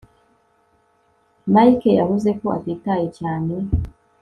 Mike yavuze ko atitaye cyane